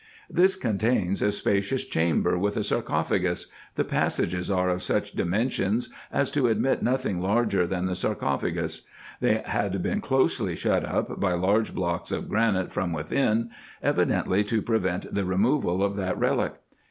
This contains a spacious chamber with a sarcophagus ; the passages are of such dimensions as to admit nothing larger than the sar cophagus ; they had been closely shut up by large blocks of granite from within, evidently to prevent the removal of that relic.